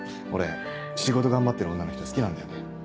俺仕事頑張ってる女の人好きなんだよね。